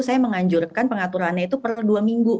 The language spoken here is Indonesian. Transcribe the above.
saya menganjurkan pengaturan itu per dua minggu